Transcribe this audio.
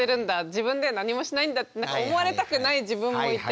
自分では何もしないんだってなんか思われたくない自分もいて。